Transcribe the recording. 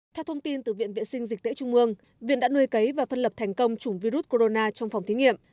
theo thông tin từ viện vệ sinh dịch tễ trung ương viện đã nuôi cấy và phân lập thành công chủng virus corona trong phòng thí nghiệm